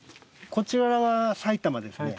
こちらは埼玉ですね。